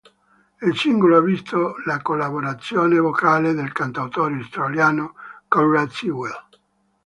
Il singolo ha visto la collaborazione vocale del cantautore australiano Conrad Sewell.